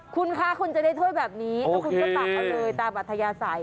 คุณคะคุณจะได้ถ้วยแบบนี้แล้วคุณก็ตักเอาเลยตามอัธยาศัย